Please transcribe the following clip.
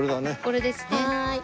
これですね。